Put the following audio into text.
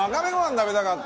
食べたかった！